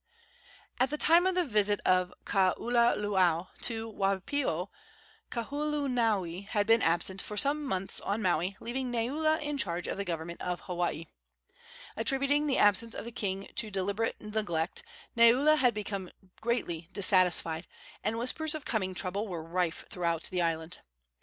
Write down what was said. At the time of the visit of Kaululaau to Waipio, Kauholanui had been absent for some months on Maui, leaving Neula in charge of the government of Hawaii. Attributing the absence of the king to deliberate neglect, Neula had become greatly dissatisfied, and whispers of coming trouble were rife throughout the island.